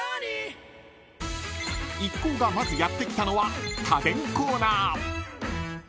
［一行がまずやって来たのは家電コーナー］